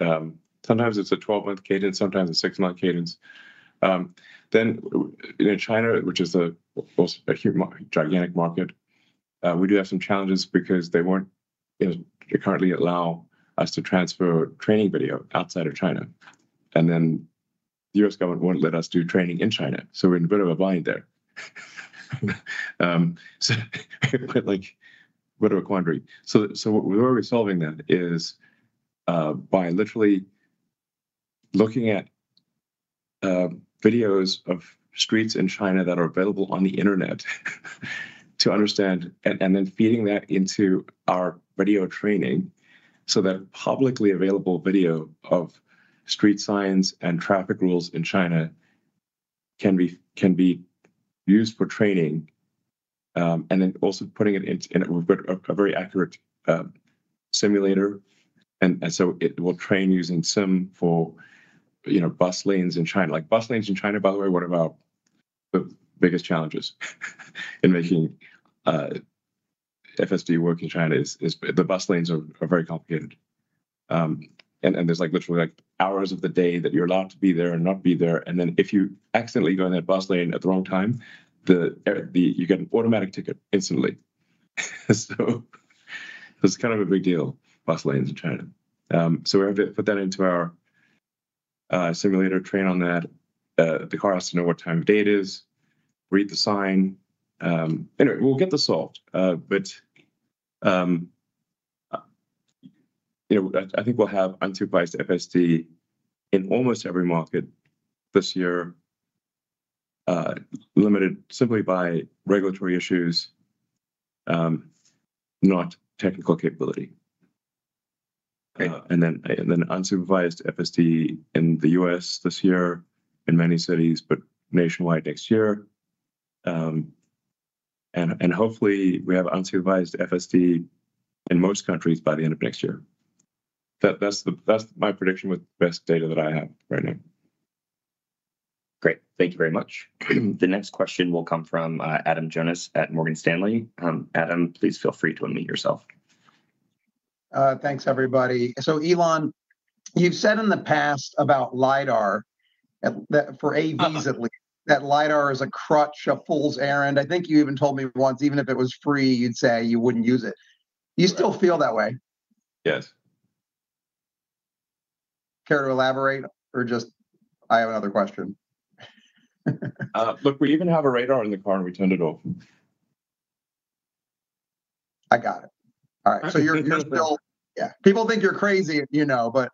again. Sometimes it's a 12-month cadence, sometimes a six-month cadence. Then in China, which is a gigantic market, we do have some challenges because they won't currently allow us to transfer training video outside of China and then the U.S. government won't let us do training in China. So we're in a bit of a bind there. Quandary. So the way we're solving that is by literally looking at videos of streets in China that are available on the Internet to understand. And then feeding that into our video training so that publicly available video of street signs and traffic rules in China can be used for training and then also putting it in a very accurate simulator. And so it will train using sim for, you know, bus lanes in China. Like bus lanes in China, by the way. What about the biggest challenges in making FSD work in China is the bus lanes are very complicated and there's like literally hours of the day that you're allowed to be there and not be there. And then if you accidentally go in that bus lane at the wrong time, you get an automatic ticket instantly. So it's kind of a big deal. Bus lanes in China. So we have put that into our simulator. Train on that. The car has to know what time of day it is, read the sign. Anyway, we'll get it solved. But you know, I think we'll have unsupervised FSD in almost every market this year, limited simply by regulatory issues, not technical capability. And then unsupervised FSD in the U.S. this year, in many cities, but nationwide next year. And hopefully we have unsupervised FSD in most countries by the end of next year. That's my prediction with the best data that I have right now. Great, thank you very much. The next question will come from Adam Jonas at Morgan Stanley. Adam, please feel free to unmute yourself. Thanks, everybody. So, Elon, you've said in the past about LIDAR for AVs, at least that LIDAR is a crutch, a fool's errand. I think you even told me once, even if it was free, you'd say you wouldn't use it. You still feel that way? Yes. Care to elaborate, or just? I have another question. Look, we even have a radar in the car and we turned it off. I got it. All right, so you're still. Yeah, people think you're crazy, you know. But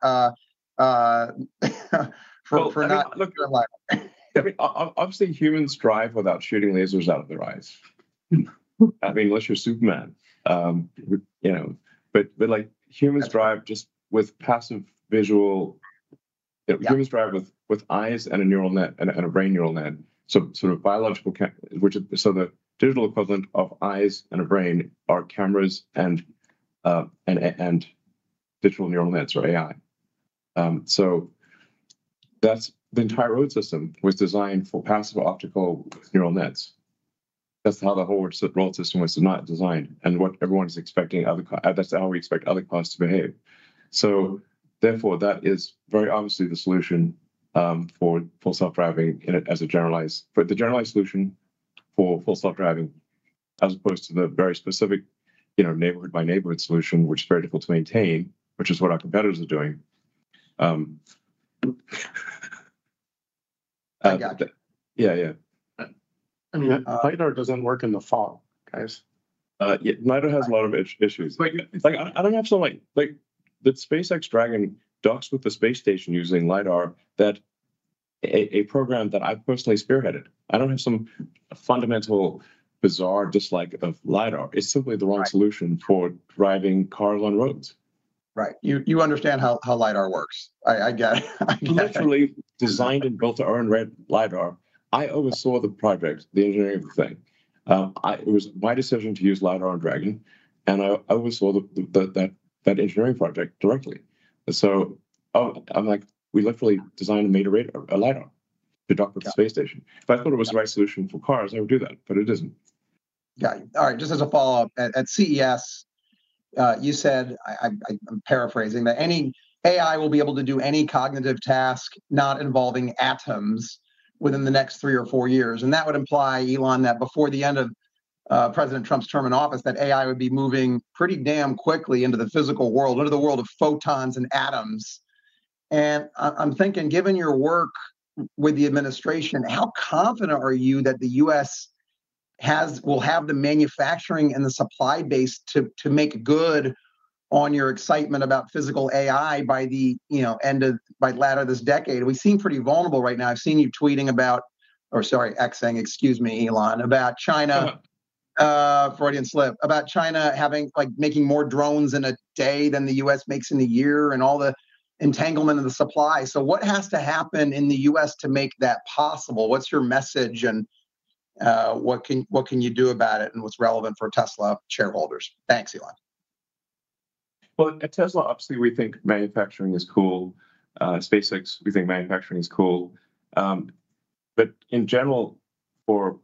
obviously, humans drive without shooting lasers out of their eyes. I mean, unless you're Superman, you know. But like, humans drive just with passive visual. Humans drive with eyes and a neural net and a brain neural net. So sort of biological which. So the digital equivalent of eyes and a brain are cameras and digital neural nets or AI. So that's. The entire road system was designed for passive optical neural nets. That's how the whole world system was designed and what everyone's expecting other. That's how we expect other cars to behave. So therefore that is very obviously the solution for Full Self-Driving as a generalized. For the generalized solution for Full Self-Driving, as opposed to the very specific neighborhood by neighborhood solution, which is very difficult to maintain, which is what our competitors are doing. Yeah, yeah. I mean, LIDAR doesn't work in the fall, guys. LIDAR has a lot of issues I don't have. So, like, the SpaceX Dragon docks with the space station using LIDAR. That's a program that I personally spearheaded. I don't have some fundamental bizarre dislike of LIDAR. It's simply the wrong solution for driving cars on roads. Right. You understand how LIDAR works. I get it. Literally designed and built our own LIDAR. I oversaw the project, the engineering of the thing. It was my decision to use LIDAR and Dragon and I oversaw that engineering project directly. So I'm like, we literally designed and made a LIDAR to dock with the space station. If I thought it was the right solution for cars, I would do that. But it isn't. Got you. All right, just as a follow-up at CES, you said, I'm paraphrasing, that any AI will be able to do any cognitive task not involving atoms within the next three or four years. That would imply, Elon, that before the end of President Trump's term in office, that AI would be moving pretty damn quickly into the physical world, into the world of photons and atoms. I'm thinking, given your work with the administration, how confident are you that the U.S. has, will have the manufacturing and the supply base to make good on your excitement about physical AI by the end of, by latter this decade? We seem pretty vulnerable right now. I've seen you tweeting about or, sorry, X, saying, excuse me, Elon, about China. Freudian slip about China making more drones in a day than the U.S. makes in a year, and all the entanglement of the supply. So what has to happen in the U.S. to make that possible? What's your message and what can you do about it and what's relevant for Tesla shareholders? Thanks, Elon. At Tesla, obviously we think manufacturing is cool. SpaceX, we think manufacturing is cool. But in general, for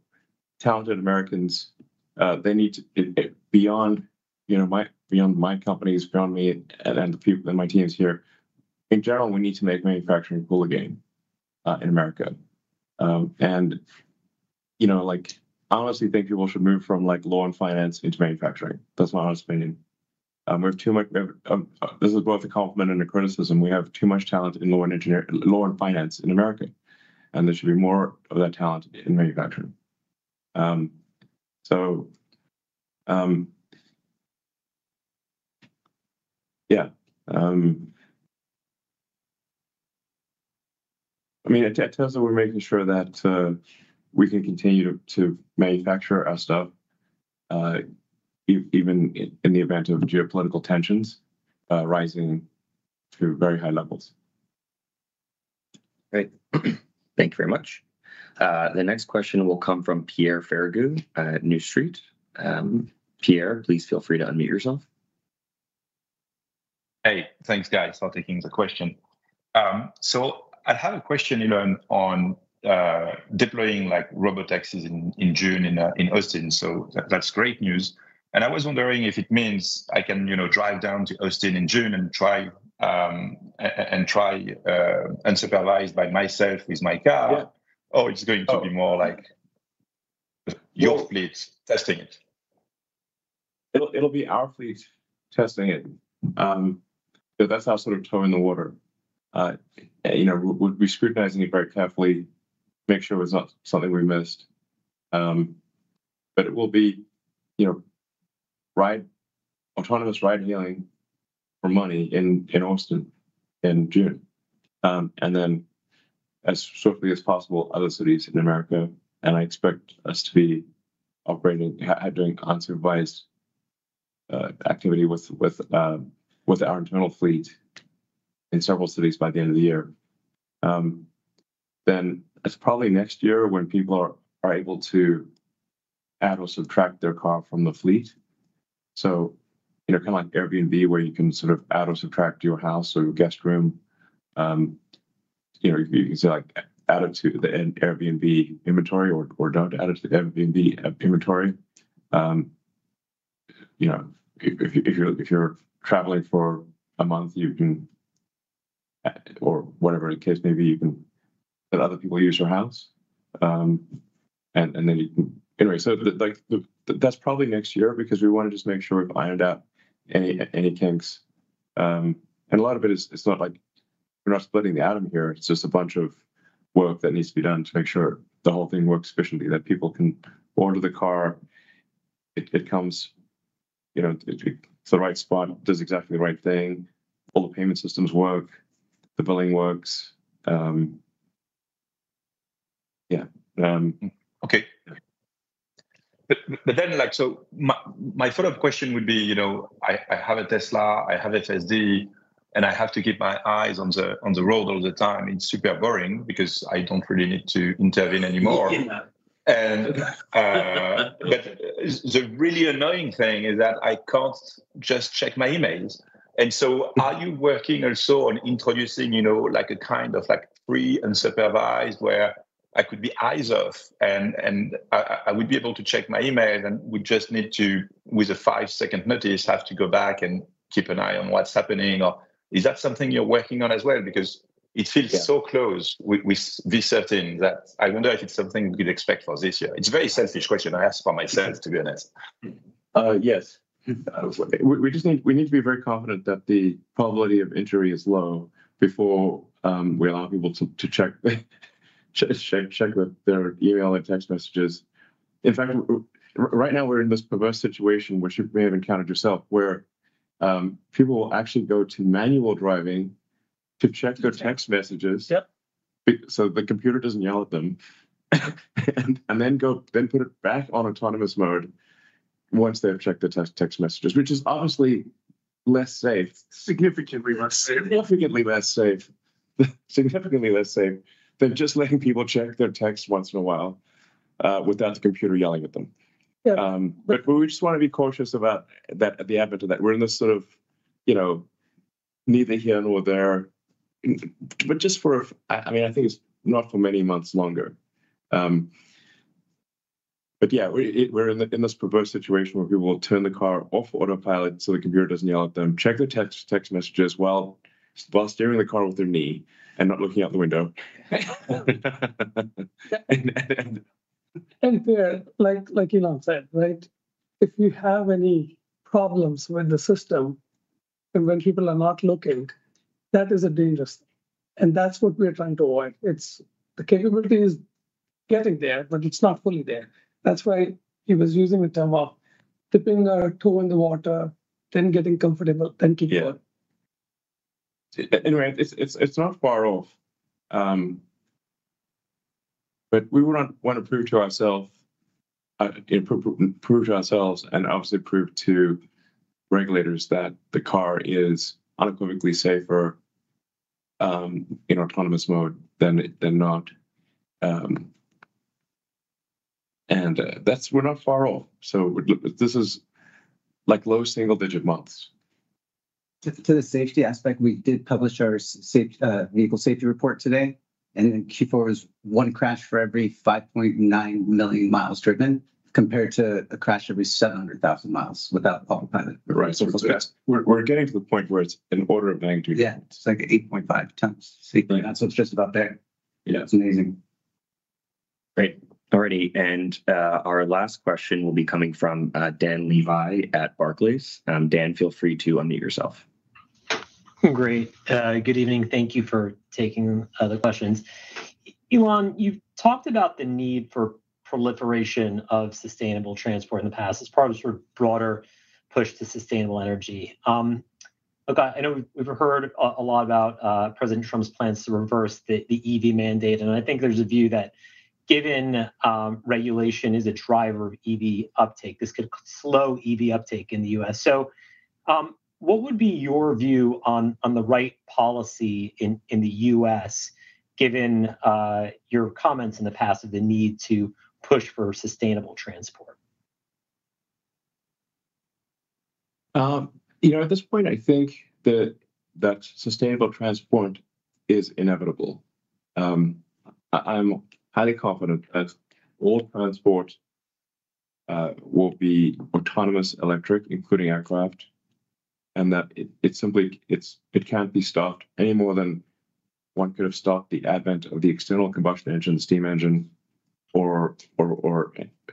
talented Americans, they need to, beyond my companies, beyond me and the people and my teams here. In general, we need to make manufacturing cool again in America. You know, like, I honestly think people should move from like law and finance into manufacturing. That's my honest opinion. We have too much. This is both a compliment and a criticism. We have too much talent in law and engineering, law and finance in America, and there should be more of that talent in manufacturing. So. Yeah. I mean, at Tesla, we're making sure that we can continue to manufacture our stuff even in the event of geopolitical tensions rising to very high levels. Great, thank you very much. The next question will come from Pierre Ferragu at New Street. Pierre, please feel free to unmute yourself. Hey, thanks guys, for taking the question. So I have a question, Elon, on deploying like robotaxis in June in Austin. So that's great news. And I was wondering if it means I can, you know, drive down to Austin in June and try unsupervised by myself with my car. Oh, it's going to be more like your fleet testing it. It'll be our fleet testing it. That's our sort of toe in the water. You know, we'll be scrutinizing it very carefully, make sure it's not something we missed, but it will be, you know, right. Autonomous ride hailing for money in Austin in June and then as swiftly as possible, other cities in America. I expect us to be operating during unsupervised activity with our internal fleet in several cities by the end of the year. Then it's probably next year when people are able to add or subtract their car from the fleet. So, you know, kind of like Airbnb, where you can sort of add or subtract your house or your guest room. You know, you can say, like, add it to the Airbnb inventory or don't add it to the Airbnb inventory. You know, if you're traveling for a month, you can, or whatever the case may be, you can let other people use your house. Then anyway, so like, that's probably next year because we want to just make sure we've ironed out any kinks. A lot of it is, it's not like you're not splitting the atom here. It's just a bunch of work that needs to be done to make sure the whole thing works efficiently, that people can order the car, it comes, you know, to the right spot, does exactly the right thing. All the payment systems work, the billing works. Yeah, okay, but then, like, so my follow-up question would be, you know, I have a Tesla, I have FSD, and I have to keep my eyes on the road all the time. It's super boring because I don't really need to intervene anymore. And. The really annoying thing is that I can't just check my emails. And so are you working also on introducing, you know, like a kind of like free, unsupervised, where I could be eyes off and I would be able to check my email. And we just need to, with a five second notice, have to go back and keep an eye on what's happening. Or is that something you're working on as well? Because it feels so close with this certainty that I wonder if it's something we could expect for this year. It's very selfish question. I asked for myself, to be honest. Yes. We just need, we need to be very confident that the probability of injury is low before we allow people to check their email and text messages. In fact, right now we're in this perverse situation which you may have encountered yourself where people will actually go to manual driving to check their text messages so the computer doesn't yell at them and then put it back on autonomous mode once they've checked the text messages, which is obviously less safe. Significantly less safe. Significantly less safe. Significantly less safe than just letting people check their text once in a while without the computer yelling at them. But we just want to be cautious about the advent of that. We're in this sort of neither here nor there, but just for. I mean, I think it's not for many months longer, but yeah, we're in this perverse situation where people will turn the car off Autopilot so the computer doesn't yell at them. Check their text messages while steering the car with their knee and not looking out the window. Like Elon said. Right. If you have any problems with the system and when people are not looking, that is a dangerous thing and that's what we're trying to avoid. The capability is getting there, but it's not fully there. That's why he was using the term of dipping our toe in the water, then getting comfortable. Thank you. Anyway, it's not far off. But we. Wouldn't want to prove to ourselves. Prove. To ourselves and obviously prove to regulators that the car is unequivocally safer in autonomous mode than not. And that's. We're not far off. So this is like low single digit. Moving to the safety aspect. We did publish our vehicle safety report today, and in Q4 was one crash for every 5.9 million miles driven compared to a crash every 700,000 miles without Autopilot. Right. So we're getting to the point where it's an order of magnitude. Yeah, it's like 8.5 times. So it's just about there, you know, it's amazing. Great. All righty. And our last question will be coming from Dan Levy at Barclays. Dan, feel free to unmute yourself. Great. Good evening. Thank you for taking the questions. Elon, you've talked about the need for proliferation of sustainable transport in the past as part of sort of broader push to sustainable energy. I know we've heard a lot about President Trump's plans to reverse the EV mandate and I think there's a view that given regulation is a driver of EV uptake, this could slow EV uptake in the U.S. So what would be your view on the right policy in the U.S. given your comments in the past of the need to push for sustainable transport? You know, at this point I think that sustainable transport is inevitable. I'm highly confident that all transport will be autonomous, electric, including aircraft, and that it's simply, it's, it can't be stopped any more than one could have stopped the advent of the external combustion engine, steam engine, or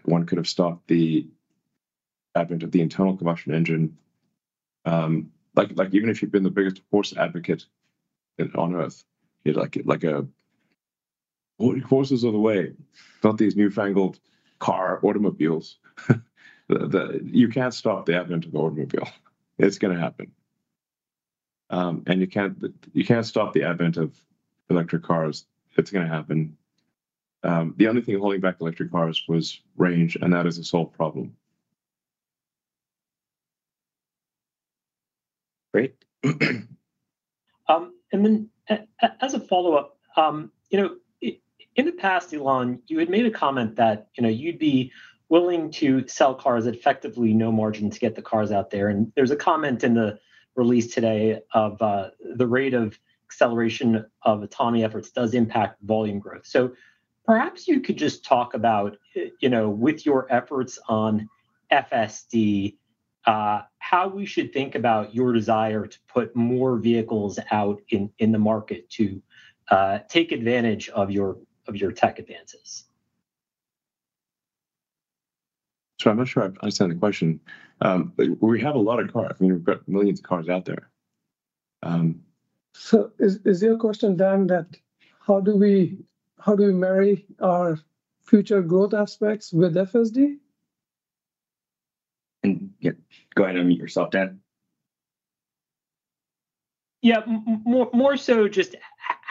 one could have stopped the advent of the internal combustion engine. Even if you've been the biggest horse advocate on earth, like horses all the way, not these newfangled car automobiles. You can't stop the advent of the automobile. It's going to happen and you can't, you can't stop the advent of electric cars. It's going to happen. The only thing holding back electric cars was range and that is a solved problem. Great. And then as a follow-up, you know, in the past, Elon, you had made a comment that, you know, you'd be willing to sell cars, effectively no margin to get the cars out there. And there's a comment in the release today of the rate of acceleration of autonomy efforts does impact volume growth. So perhaps you could just talk about, you know, with your efforts on FSD, how we should think about your desire to put more vehicles out in the market to take advantage of your, of your tech advances. So I'm not sure I understand the question. We have a lot of cars, we've got millions of cars out there. So, is your question then that how do we, how do we marry our future growth aspects with FSD? And go. ahead and introduce yourself, Dan? Yeah, more so just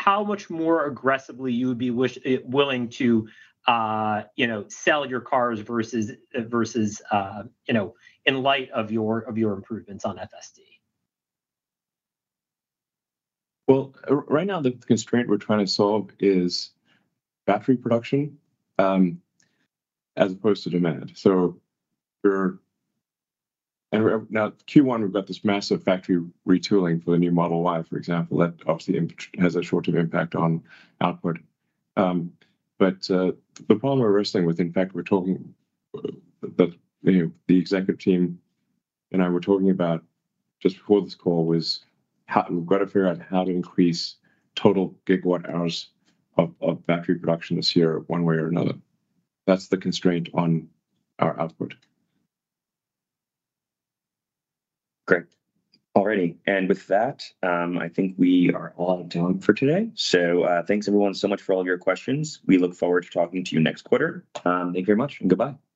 how much more aggressively you would be willing to, you know, sell your cars versus, you know, in light of your improvements on FSD? Right now the constraint we're trying to solve is battery production as opposed to demand. So you're now Q1. We've got this massive factory retooling for the new Model Y for example, that obviously has a short-term impact on output. But the problem we're wrestling with. In fact, the executive team and I were talking about just before this call was how we've got to figure out how to increase total gigawatt hours of battery production this year, one way or another. That's the constraint on our output. Great. Alrighty. And with that, I think we are all done for today. So thanks everyone so much for all of your questions. We look forward to talking to you next quarter. Thank you very much and goodbye.